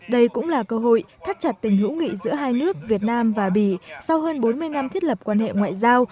đây cũng là cơ hội thắt chặt tình hữu nghị giữa hai nước việt nam và bỉ sau hơn bốn mươi năm thiết lập quan hệ ngoại giao một nghìn chín trăm bảy mươi ba hai nghìn một mươi sáu